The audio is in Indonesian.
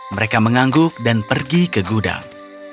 mereka mengangguk dan pergi ke gudang